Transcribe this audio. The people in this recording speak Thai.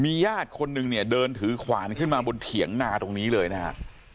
ญาติคนนึงเนี่ยเดินถือขวานขึ้นมาบนเถียงนาตรงนี้เลยนะฮะ